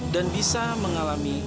dan bisa mengalami